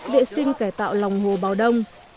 vệ sinh cải tạo lòng hồ bào đông